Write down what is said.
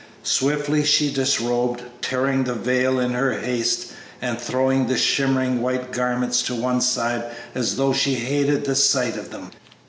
Swiftly she disrobed, tearing the veil in her haste and throwing the shimmering white garments to one side as though she hated the sight of them.